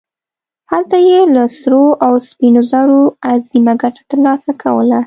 هلته یې له سرو او سپینو زرو عظیمه ګټه ترلاسه کوله.